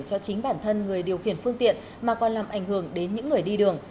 cho chính bản thân người điều khiển phương tiện mà còn làm ảnh hưởng đến những người đi đường